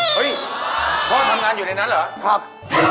เฮ้ยพ่อทำงานอยู่ในนั้นเหรอครับ